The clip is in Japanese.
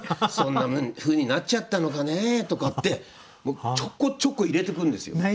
「そんなふうになっちゃったのかね」とかってちょこちょこ入れてくるんですよ。